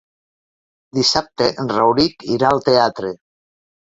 Dissabte en Rauric irà al teatre.